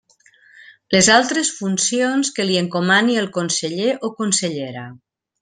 Les altres funcions que li encomani el conseller o consellera.